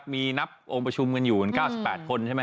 มีนับองค์ประชุมกันอยู่๙๘คนใช่ไหม